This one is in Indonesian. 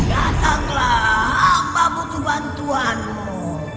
datanglah amba butuh bantuanmu